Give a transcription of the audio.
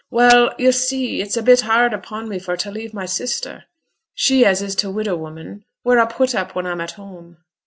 'Well, yo' see it's a bit hard upon me for t' leave my sister she as is t' widow woman, wheere a put up when a'm at home.